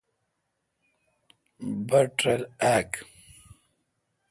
بٹ رل آ